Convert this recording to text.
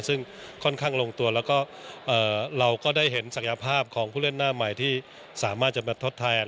ซึ่งค่อนข้างลงตัวแล้วก็เราก็ได้เห็นศักยภาพของผู้เล่นหน้าใหม่ที่สามารถจะมาทดแทน